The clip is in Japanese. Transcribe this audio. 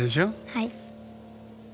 はい。